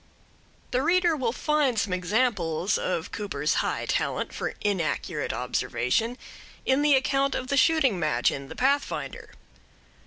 The reader will find some examples of Cooper's high talent for inaccurate observation in the account of the shooting match in The Pathfinder.